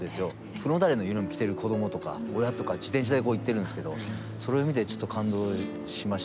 フロンターレのユニフォーム着てる子どもとか親とか自転車でこう行ってるんですけどそれを見てちょっと感動しまして。